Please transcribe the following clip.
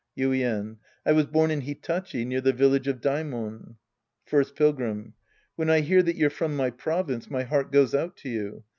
Yuien. I was born in Hitachi near the village of Daimon. First Pilgrim. When I hear that you're from my province, my heart goes out to you.